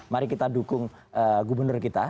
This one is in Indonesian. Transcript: mari kita dukung gubernur kita